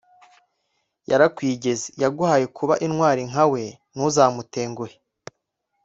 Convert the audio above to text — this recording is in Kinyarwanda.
Yarakwigeze: yaguhaye kuba intwari nka we ntuzamutenguhe.